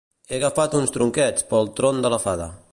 He agafat uns tronquets pel tron de la fada